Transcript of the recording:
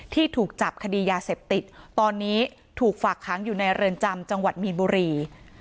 ที่ถูกจับคดียาเสพติดตอนนี้ถูกฝากค้างอยู่ในเรือนจำจังหวัดมีนบุรี